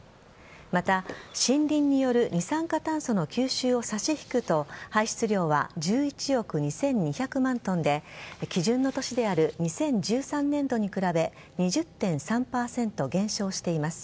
また、森林による二酸化炭素の吸収を差し引くと排出量は１１億２２００万ｔで基準の年である２０１３年度に比べ２０．３％減少しています。